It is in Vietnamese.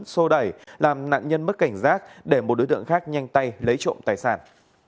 xô đẩy làm nạn nhân mất cảnh giác để một đối tượng khác nhanh tay lấy trộm tài sản